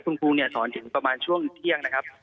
พึ่งพรุงสอนถึงประมาณช่วงเที่ยงนะครับ